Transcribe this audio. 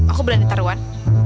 aku berani taruhan